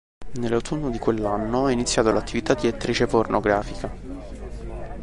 Nell'autunno di quell'anno ha iniziato l'attività di attrice pornografica.